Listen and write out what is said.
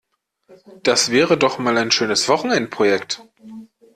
Das wäre doch mal ein schönes Wochenendprojekt!